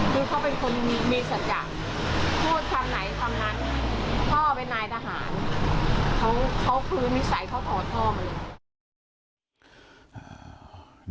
เค้าพื้นมิสัยเค้าถอดท่อมาเลย